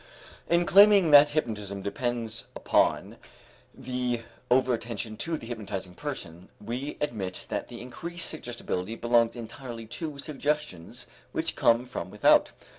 In claiming that hypnotism depends upon the over attention to the hypnotizing person, we admit that the increased suggestibility belongs entirely to suggestions which come from without.